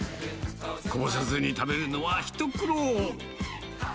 こぼさずに食べるのは一苦労。